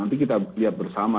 nah ini kita lihat bersama